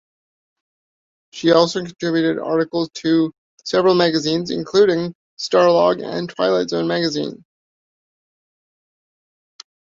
She also contributed articles to several magazines, including "Starlog" and "Twilight Zone Magazine".